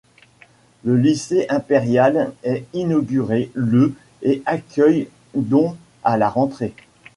Le lycée impérial est inauguré le et accueille dont à la rentrée.